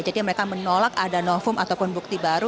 jadi mereka menolak ada nofum ataupun bukti baru